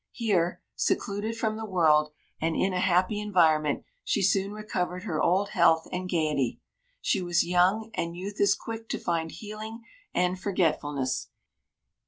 Here, secluded from the world, and in a happy environment, she soon recovered her old health and gaiety. She was young; and youth is quick to find healing and forgetfulness.